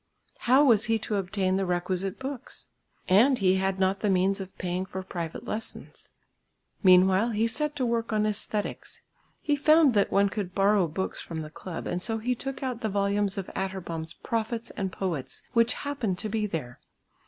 How was he to obtain the requisite books? And he had not the means of paying for private lessons. Meanwhile he set to work at Æsthetics. He found that one could borrow books from the club and so he took out the volumes of Atterbom's Prophets and Poets which happened to be there.